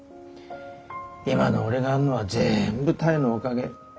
今の俺があるのは全部多江のおかげ。